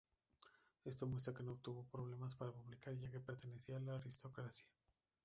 Esto muestra que no tuvo problemas para publicar ya que pertenecía a la aristocracia.